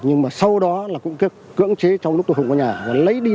nhưng mà sau đó là cũng cưỡng chế trong lúc tôi không có nhà